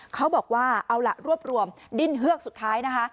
เขาบอกว่าเอาล่ะรวบรวมดิ้นเฮือกสุดท้ายนะคะ